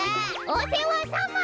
おせわさま！